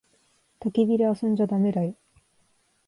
たき火で遊んじゃだめだよ。